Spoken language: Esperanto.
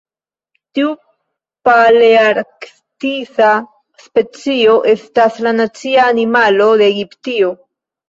Tiu palearktisa specio estas la nacia animalo de Egiptio.